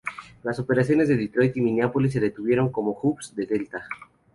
Las operaciones de Detroit y Minneapolis se mantuvieron como hubs de Delta.